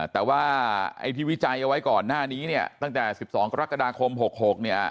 แต่ว่าไอ้ที่วิจัยเอาไว้ก่อนหน้านี้เนี่ยตั้งแต่๑๒กรกฎาคม๖๖เนี่ย